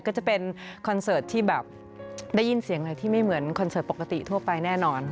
ก็จะเป็นคอนเสิร์ตที่แบบได้ยินเสียงอะไรที่ไม่เหมือนคอนเสิร์ตปกติทั่วไปแน่นอน